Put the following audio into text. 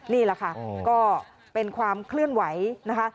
นี่แหละค่ะก็เป็นความเคลื่อนไหวนะคะ